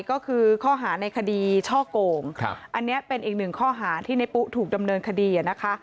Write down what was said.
ก็คือข้อหาในคดีช่อกโกมอันนี้เป็นอีก๑ข้อหาที่นายปุ๊กถูกดำเนินคดี